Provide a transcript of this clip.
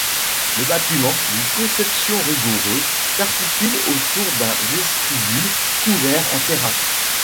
Le bâtiment, d'une conception rigoureuse, s'articule autour d'un vestibule couvert en terrasse.